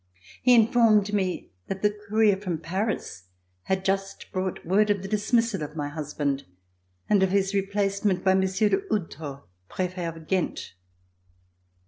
He informed me that the courier from Paris had just brought word of the dis missal of my husband and of his replacement by Monsieur d'Houdetot, Prefet of Ghent.